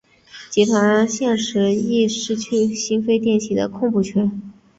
集团现时亦失去新飞电器的控股权。